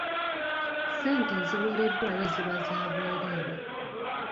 Ssente eziweereddwayo ziba za bwereere.